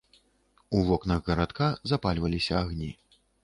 У вокнах гарадка запальваліся агні.